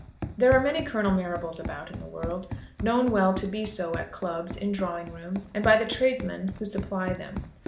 There are many Colonel Marrables about in the world, known well to be so at clubs, in drawing rooms, and by the tradesmen who supply them.